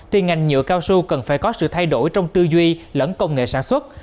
thì ngành nhựa cao su cần phải có sự thay đổi trong tư duy lẫn công nghệ sản xuất